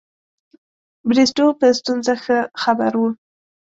بریسټو په ستونزو ښه خبر وو.